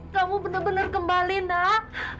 kamu benar benar kembali nak